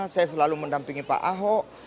saya selalu mendampingi pak ahok